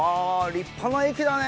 立派な駅だね